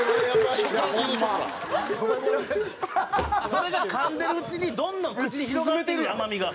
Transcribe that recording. それが噛んでるうちにどんどん口に広がってくる甘みが。